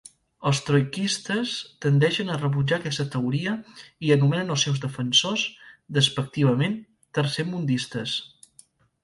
Els trotskistes tendeixen a rebutjar aquesta teoria i anomenen als seus defensors, despectivament, tercermundistes.